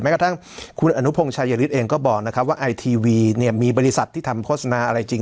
กระทั่งคุณอนุพงชายฤทธิเองก็บอกนะครับว่าไอทีวีเนี่ยมีบริษัทที่ทำโฆษณาอะไรจริง